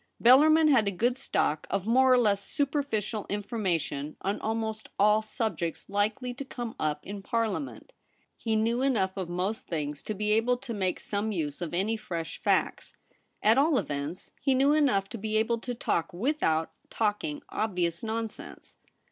Bellarmin had a good stock of more or less superficial information on almost all subjects likely to come up in Parliament. ROLFE BELLARMIN. 195 He knew enough of most things to be able to make some use of any fresh facts ; at all events he knew enough to be able to talk without talking obvious nonsense.